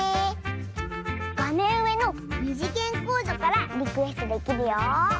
がめんうえのにじげんコードからリクエストできるよ！